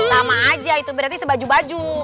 sama aja itu berarti sebaju baju